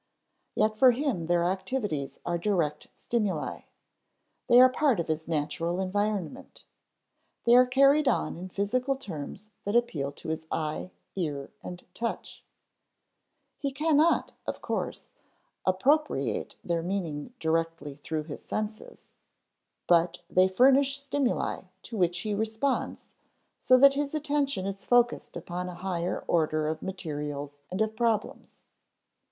Yet for him their activities are direct stimuli; they are part of his natural environment; they are carried on in physical terms that appeal to his eye, ear, and touch. He cannot, of course, appropriate their meaning directly through his senses; but they furnish stimuli to which he responds, so that his attention is focussed upon a higher order of materials and of problems.